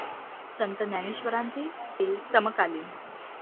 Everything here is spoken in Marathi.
संत ज्ञानेश्वरांचे ते समकालीन.